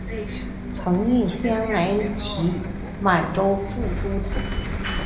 曾任镶蓝旗满洲副都统。